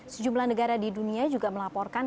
sejumlah negara di dunia juga melaporkan